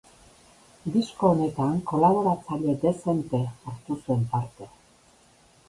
Disko honetan kolaboratzaile dezente hartu zuen parte.